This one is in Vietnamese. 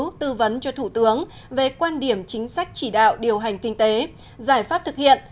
tư vấn cho thủ tướng về quan điểm chính sách chỉ đạo điều hành kinh tế giải pháp thực hiện